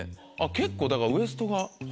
結構だからウエストが細いんだ。